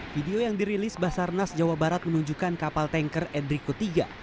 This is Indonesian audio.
video yang dirilis basarnas jawa barat menunjukkan kapal tanker edrico iii